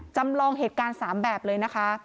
จำลองเหตุการณ์๓แบบเลยนะคะ